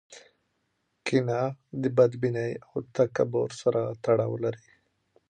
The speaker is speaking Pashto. کینه د بدبینۍ او تکبر سره تړاو لري.